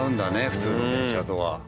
普通の電車とは。